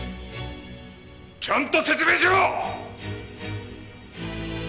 ちゃんと説明しろ！